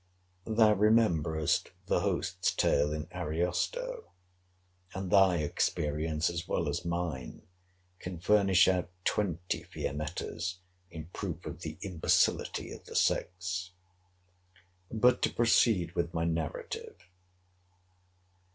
Thou rememberest the host's tale in Ariosto. And thy experience, as well as mine, can furnish out twenty Fiametta's in proof of the imbecility of the sex. But to proceed with my narrative.